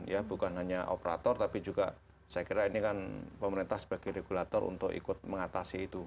ya bukan hanya operator tapi juga saya kira ini kan pemerintah sebagai regulator untuk ikut mengatasi itu